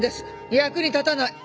役に立たない。